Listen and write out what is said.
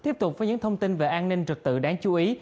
tiếp tục với những thông tin về an ninh trật tự đáng chú ý